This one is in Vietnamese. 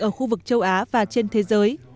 ở khu vực châu á và trên thế giới